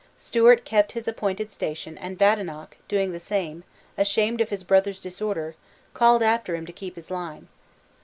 Stewart kept his appointed station and Badenoch, doing the same, ashamed of his brother's disorder, called after him to keep his line.